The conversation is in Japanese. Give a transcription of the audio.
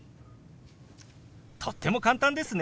とっても簡単ですね。